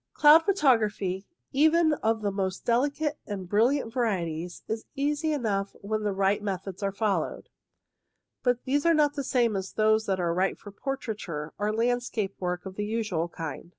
Cloud photography, even of the most delicate and brilliant varieties, is easy enough when the right methods are followed ; but these are not the D 1 8 INTRODUCTORY same as those which are right for portraiture or landscape work of the usual kind.